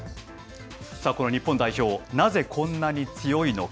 この日本代表、なぜこんなに強いのか。